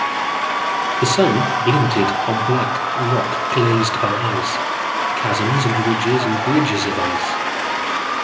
The sun glinted on black rock glazed by ice, chasms and ridges and bridges of ice.